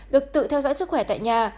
được tự theo dõi sức khỏe tại nhà